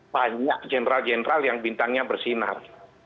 banyak jenderal jenderal yang bintangnya bersinar